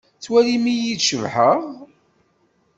Tettwalim-iyi-d cebḥeɣ?